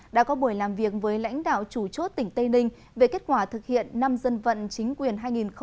đã có buổi làm việc với lãnh đạo chủ chốt tỉnh tây ninh về kết quả thực hiện năm dân vận chính quyền hai nghìn một mươi chín